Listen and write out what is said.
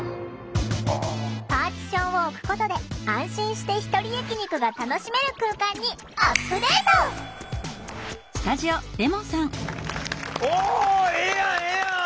パーティションを置くことで安心してひとり焼き肉が楽しめる空間におええやんええやん！